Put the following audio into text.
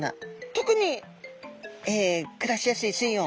特に暮らしやすい水温